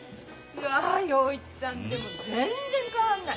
うわ洋一さんでも全然変わんない。